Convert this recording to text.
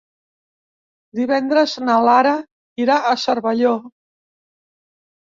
Divendres na Lara irà a Cervelló.